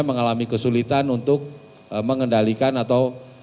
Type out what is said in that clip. mengalami kesulitan untuk mengendalikan atau